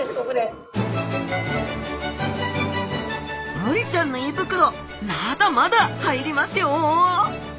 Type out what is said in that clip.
ブリちゃんの胃袋まだまだ入りますよ！